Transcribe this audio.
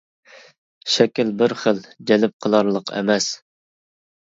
شەكىل بىر خىل، جەلپ قىلارلىق ئەمەس.